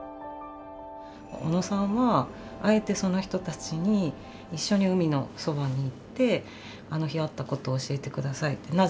小野さんはあえてその人たちに一緒に海のそばに行ってあの日あったことを教えて下さいって。